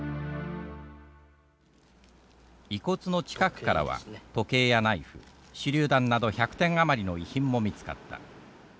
遺骨の近くからは時計やナイフ手りゅう弾など１００点余りの遺品も見つかった。